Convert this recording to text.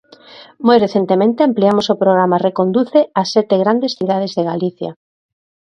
Moi recentemente ampliamos o Programa Reconduce ás sete grandes cidades de Galicia.